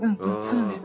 そうです